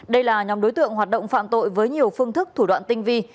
đây là nhóm đối tượng hoạt động phạm tội với nhiều phương thức thủ đoạn tinh vi